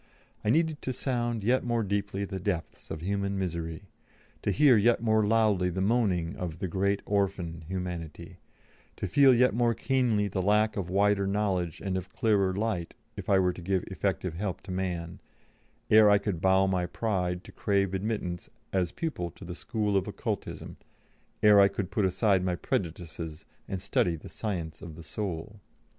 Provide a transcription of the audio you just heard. I needed to sound yet more deeply the depths of human misery, to hear yet more loudly the moaning of "the great Orphan," Humanity, to feel yet more keenly the lack of wider knowledge and of clearer light if I were to give effective help to man, ere I could bow my pride to crave admittance as pupil to the School of Occultism, ere I could put aside my prejudices and study the Science of the Soul.